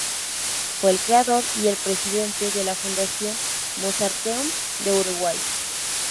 Fue el creador y es el presidente de la Fundación Mozarteum del Uruguay.